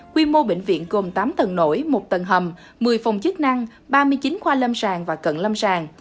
quy mô bệnh viện gồm tám tầng nổi một tầng hầm một mươi phòng chức năng ba mươi chín khoa lâm sàng và cận lâm sàng